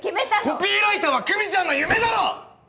コピーライターは久美ちゃんの夢だろ！